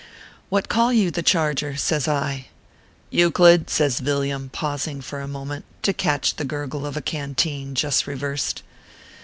" What call you the charger ?" says I. " Euclid," says Villiam, pausing for a moment, to catch the gurgle of a canteen just reversed.